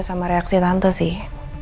sama reaksi tante sih